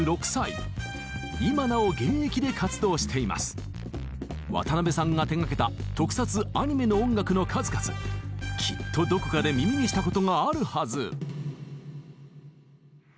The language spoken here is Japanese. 作曲家渡辺さんが手がけた特撮・アニメの音楽の数々きっとどこかで耳にしたことがあるはず。